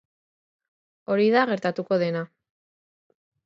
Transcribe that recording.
Hori da gertatuko dena.